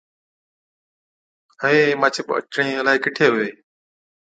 هَئي، مانڇين ٻچڙين الاهي ڪِٺي هُوي؟